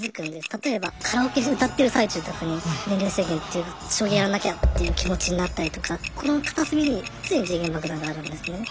例えばカラオケで歌ってる最中とかに年齢制限っていう将棋やらなきゃっていう気持ちになったりとか心の片隅に常に時限爆弾があるんですね。